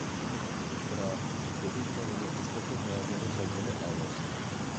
بىراق، كۆپىنچە مېنى ئۇشتۇمتۇت ھاياجانغا سالىدىغىنى ئاۋاز.